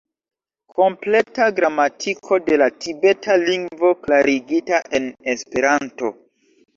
Kompleta Gramatiko de la Tibeta Lingvo klarigita en Esperanto.